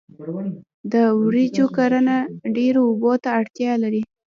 د وریجو کرنه ډیرو اوبو ته اړتیا لري.